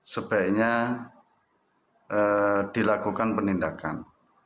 sebaiknya dilakukan penindakan